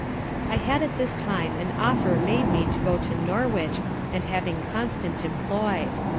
I had at this time an offer made me of going to Norwich and having constant employ.